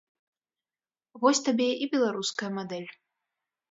Вось табе і беларуская мадэль.